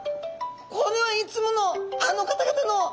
これはいつものあの方々の。